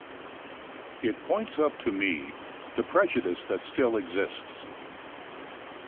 It points up to me the prejudice that still exists.